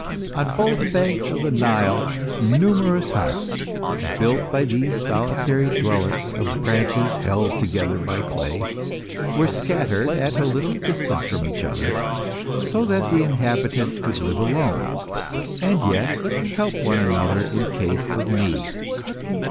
On both banks of the Nile numerous huts, built by these solitary dwellers, of branches held together by clay, were scattered at a little distance from each other, so that the inhabitants could live alone, and yet help one another in case of need.